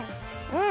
うん！